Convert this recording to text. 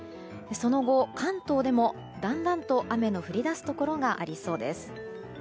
その後、関東でもだんだんと雨の降り出すところがありそうです。